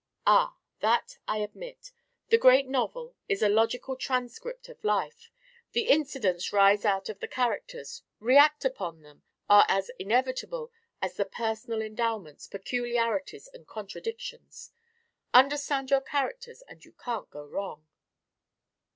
"Ah! That I admit. The great novel is a logical transcript of life. The incidents rise out of the characters, react upon them, are as inevitable as the personal endowments, peculiarities, and contradictions. Understand your characters, and you can't go wrong."